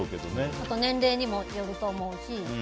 あと年齢にもよると思うし。